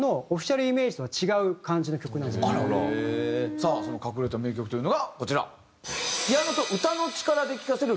さあその隠れた名曲というのがこちら。